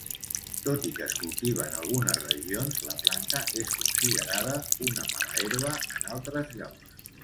Tot i que es cultiva en algunes regions, la planta és considerada una mala herba en altres llocs.